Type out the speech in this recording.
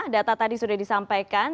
data tadi sudah disampaikan